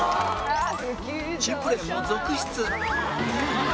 珍プレーも続出